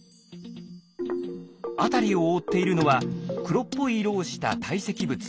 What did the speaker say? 辺りを覆っているのは黒っぽい色をした堆積物。